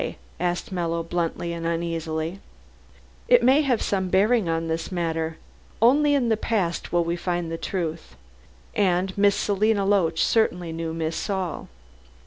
asked Mallow, bluntly and uneasily. "It may have some bearing on this matter. Only in the past will we find the truth. And Miss Selina Loach certainly knew Miss Saul."